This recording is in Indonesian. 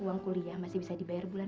uang kuliah masih bisa dikarenakan